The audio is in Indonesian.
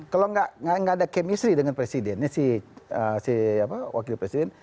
kalau nggak ada chemistry dengan presidennya si wakil presiden